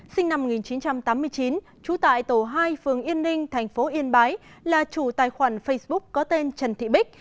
sinh năm một nghìn chín trăm tám mươi chín trú tại tổ hai phường yên ninh thành phố yên bái là chủ tài khoản facebook có tên trần thị bích